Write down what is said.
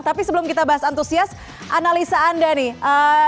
tapi sebelum kita bahas antusias analisa anda nih